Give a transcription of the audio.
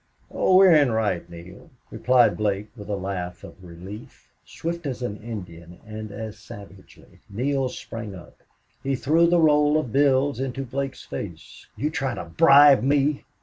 Oh, we're in right, Neale," replied Blake, with a laugh of relief. Swift as an Indian, and as savagely, Neale sprang up. He threw the roll of bills into Blake's face. "You try to bribe me!